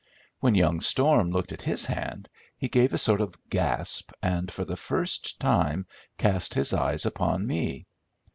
When young Storm looked at his hand he gave a sort of gasp, and for the first time cast his eyes upon me.